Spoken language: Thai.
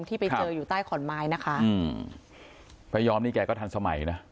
ที่ไปเจออยู่ใต้ขอนไม้นะคะอืมพระยอมนี่แกก็ทันสมัยนะ